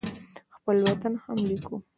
خپل وطن هم لیکم.